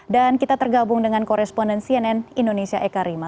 dan kita tergabung dengan koresponden cnn indonesia eka rima